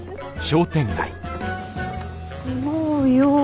住もうよ。